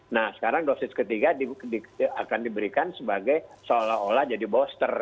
nah sekarang dosis ketiga akan diberikan sebagai seolah olah jadi booster